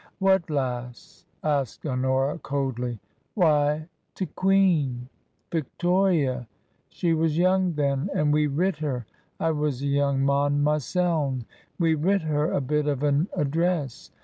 " What lass ?" asked Honora, coldlj ." Why ! T* Queen. Victoria, she was young then, and we writ her — I was a young mon myseln — ^we writ her a bit of an address.